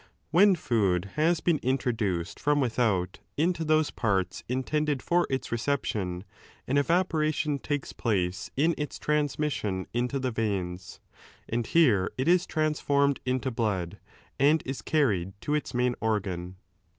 When food has been introduced from without into those parts intended for its reception, an evaporation takes place in its transmission into the veins, and here it is transformed 4 into blood and is carried to its main organ.